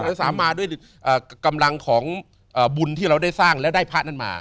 สามมาด้วยกำลังของบุญที่เราได้สร้างแล้วได้พระนั้นมา